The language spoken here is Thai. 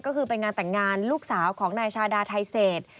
ก็คือไปงานแต่งงานลูกสาวของนายชาดาไทเศษ